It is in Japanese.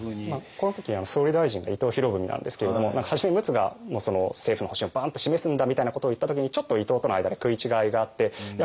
この時総理大臣が伊藤博文なんですけれども初め陸奥が政府の方針をバーンと示すんだみたいなことを言った時にちょっと伊藤との間で食い違いがあっていや